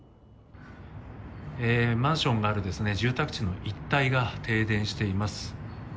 マンションがある住宅地の一帯が停電しています。